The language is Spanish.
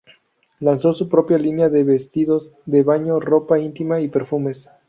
Lanzó su propia línea de vestidos de baño, ropa íntima y perfumes.